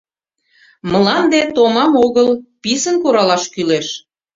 Мланде томам огыл, писын куралаш кӱлеш.